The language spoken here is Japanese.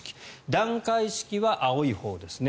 段階式は青いほうですね。